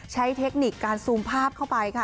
เทคนิคการซูมภาพเข้าไปค่ะ